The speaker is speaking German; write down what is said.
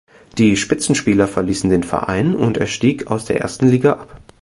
Die Spitzenspieler verließen den Verein und er stieg aus der ersten Liga ab.